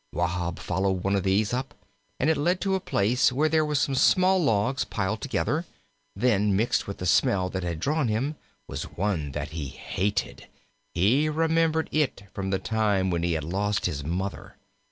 Wahb followed one of these up, and it led to a place where were some small logs piled together; then, mixed with the smell that had drawn him, was one that he hated he remembered it from the time when he had lost his Mother.